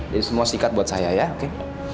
jadi semua sikat buat saya ya oke